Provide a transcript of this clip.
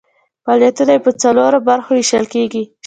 فعالیتونه یې په څلورو برخو ویشل کیږي.